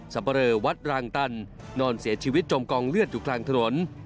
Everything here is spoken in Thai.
เปรอวัดรางตันนอนเสียชีวิตจมกองเลือดอยู่กลางถนน